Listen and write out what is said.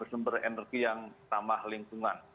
sumber energi yang ramah lingkungan